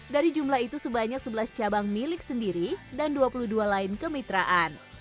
dari jumlah itu sebanyak sebelas cabang milik sendiri dan dua puluh dua lain kemitraan